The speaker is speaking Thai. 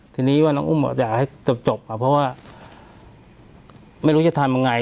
ทีนี้ว่าน้องอุ้มบอกอยากให้จบครับเพราะว่าไม่รู้จะทำยังไง